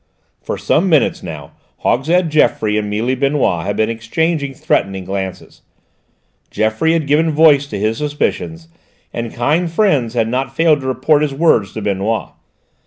For some minutes now Hogshead Geoffroy and Mealy Benoît had been exchanging threatening glances. Geoffroy had given voice to his suspicions, and kind friends had not failed to report his words to Benoît.